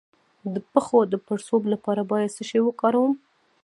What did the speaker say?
د پښو د پړسوب لپاره باید څه شی وکاروم؟